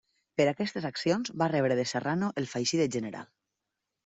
Per aquestes accions va rebre de Serrano el faixí de general.